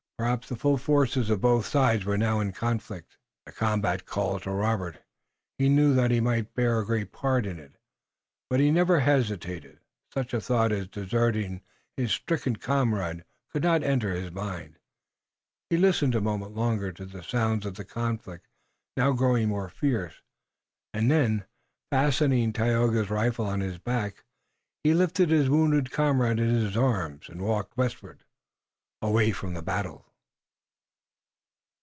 Perhaps the full forces of both sides were now in conflict. The combat called to Robert, he knew that he might bear a great part in it, but he never hesitated. Such a thought as deserting his stricken comrade could not enter his mind. He listened a moment longer to the sounds of the conflict now growing more fierce, and then, fastening Tayoga's rifle on his back with his own, he lifted his wounded comrade in his arms and walked westward, away from the battle.